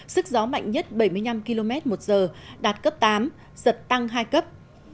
sức gió mạnh nhất bảy mươi năm km một giờ đạt cấp tám giật tăng hai cấp